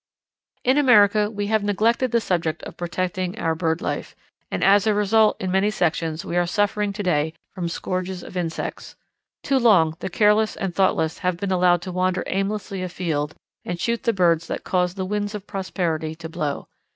In America we have neglected the subject of protecting our bird life, and as a result in many sections we are suffering to day from scourges of insects. Too long the careless and thoughtless have been allowed to wander aimlessly afield and shoot the birds that caused the winds of prosperity to blow.